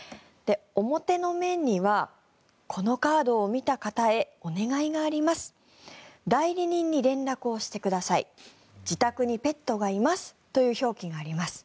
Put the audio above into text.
表の面にはこのカードを見た方へお願いがあります代理人に連絡をしてください自宅にペットがいますという表記があります。